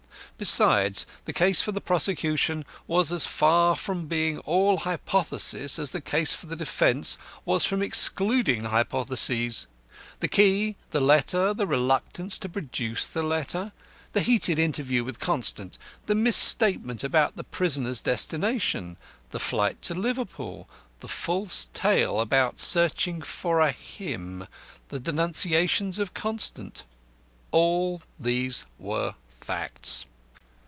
Besides, the case for the prosecution was as far from being all hypothesis as the case for the defence was from excluding hypotheses. The key, the letter, the reluctance to produce the letter, the heated interview with Constant, the misstatement about the prisoner's destination, the flight to Liverpool, the false tale about searching for a "him," the denunciations of Constant, all these were facts.